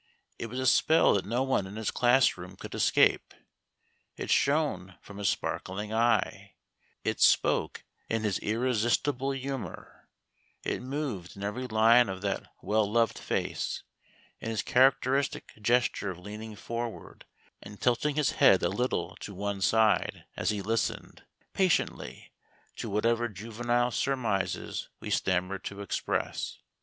It was a spell that no one in his class room could escape. It shone from his sparkling eye; it spoke in his irresistible humour; it moved in every line of that well loved face, in his characteristic gesture of leaning forward and tilting his head a little to one side as he listened, patiently, to whatever juvenile surmises we stammered to express.